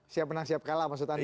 siap menang siap kalah maksud anda